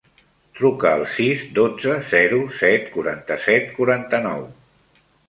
Truca al sis, dotze, zero, set, quaranta-set, quaranta-nou.